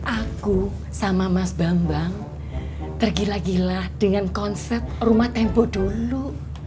aku sama mas bambang tergilah gila dengan konsep rumah tempo dulu